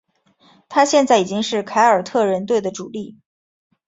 他现在已经是凯尔特人队的主力。